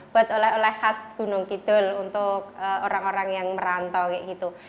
buat oleh oleh khas gunung kidul untuk orang orang yang merantau kayak gitu